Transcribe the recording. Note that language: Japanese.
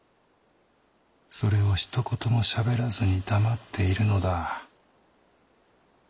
それをひと言もしゃべらずに黙っているのだ。